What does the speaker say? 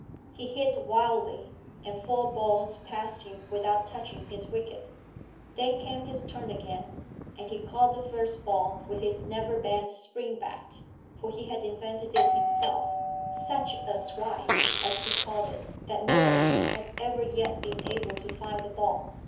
He hit wildly, and four balls passed him without touching his wicket. Then came his turn again, and he caught the first ball with his Neverbend spring bat, for he had invented it himself, such a swipe, as he called it, that nobody has ever yet been able to find the ball.